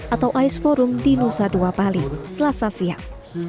atau ice forum di nusa dua bali selasa siang